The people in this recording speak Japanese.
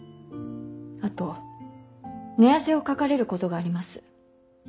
あと寝汗をかかれることがあります。